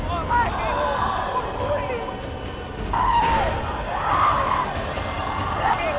โอ้โหมันอึดอย่างงี้ว่ะเนี่ย